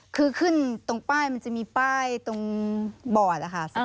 คือขึ้นตรงป้ายมันจะมีป้ายตรงบอร์ดนะคะ